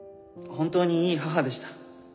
本当にいい母でした。